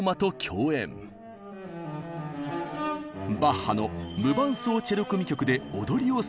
バッハの「無伴奏チェロ組曲」で踊りを創作。